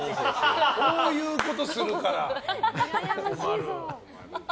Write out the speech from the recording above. こういうことするから困る。